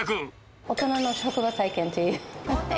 大人の職場体験という。